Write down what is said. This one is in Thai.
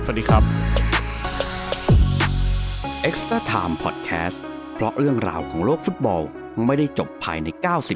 สวัสดีครับทุกคน